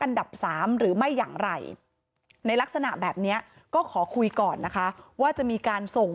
อันดับสามหรือไม่อย่างไรในลักษณะแบบนี้ก็ขอคุยก่อนนะคะว่าจะมีการส่ง